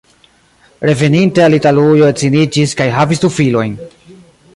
Reveninte al Italujo edziniĝis kaj havis du filojn.